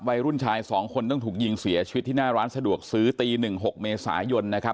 วัยรุ่นชายสองคนต้องถูกยิงเสียชีวิตที่หน้าร้านสะดวกซื้อตี๑๖เมษายนนะครับ